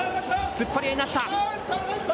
突っ張りでいなした。